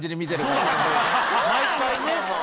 毎回ね。